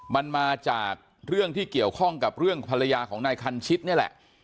มันมาจากเรื่องที่เกี่ยวข้องกับเรื่องภรรยาของนายคันชิตนี่แหละ